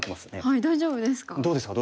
はい大丈夫ですか？